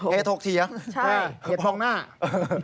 เหตุหกเทียงห้องหน้าเหตุใช่